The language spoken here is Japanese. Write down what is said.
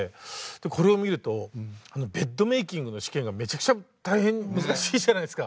これを見るとベッドメイキングの試験がめちゃくちゃ大変難しいじゃないですか。